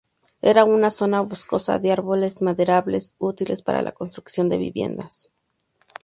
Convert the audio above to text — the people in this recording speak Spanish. Era una zona boscosa de árboles maderables, útiles para la construcción de viviendas.